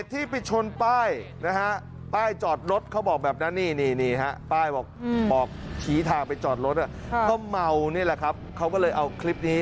ทีนี้มาโพสต์เตือนใจเอาไว้ครับ